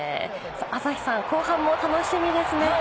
朝日さん、後半も楽しみですね。